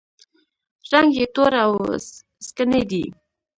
رنګ یې تور او سکڼۍ دی.